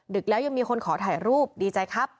แล้วยังมีคนขอถ่ายรูปดีใจครับ